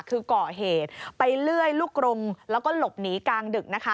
คือก่อเหตุไปเลื่อยลูกกรงแล้วก็หลบหนีกลางดึกนะคะ